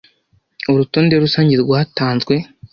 Urutonde rusange rwatanzwe,